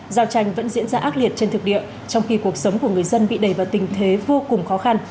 giao tranh vẫn diễn ra ác liệt trên thực địa trong khi cuộc sống của người dân bị đẩy vào tình thế vô cùng khó khăn